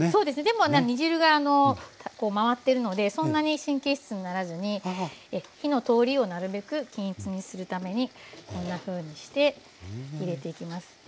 でも煮汁が回ってるのでそんなに神経質にならずに火の通りをなるべく均一にするためにこんなふうにして入れていきます。